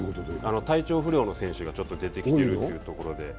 体調不良の選手が出てきてるということで。